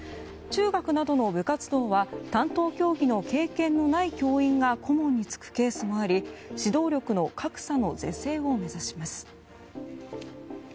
中学などの部活動は担当競技の経験のない教員が顧問に就くケースもあり指導力の格差の是正を目指します。